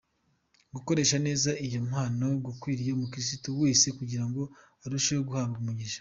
Gukoresha neza iyo mpano gukwiriye umukiristo wese, kugira ngo urusheho guhabwa umugisha.